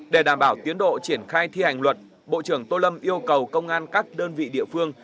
để đảm bảo tiến độ triển khai thi hành luật bộ trưởng tô lâm yêu cầu công an các đơn vị địa phương